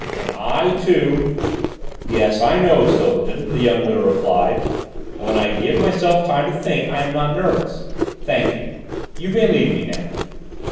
And I, too " "Yes, I know, Silbertown," the young widow replied; "and when I give myself time to think I am not nervous. Thank you; you can leave me now."